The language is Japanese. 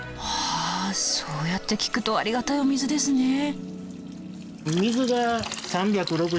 はあそうやって聞くとありがたいお水ですね。